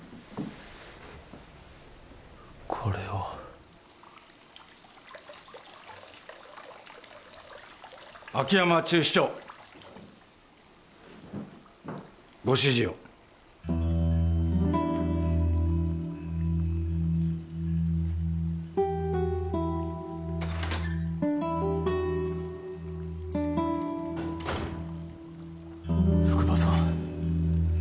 これを秋山厨司長ご指示を福羽さん